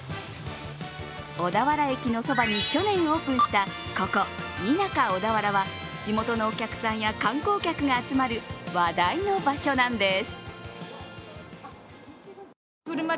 小田原駅のそばに去年オープンしたここ、ミナカ小田原は地元のお客さんや観光客が集まる話題の場所なんです。